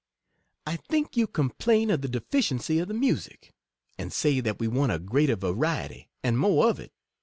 I think you complain of the deficiency of the music; and say that we want a greater variety, and more of it.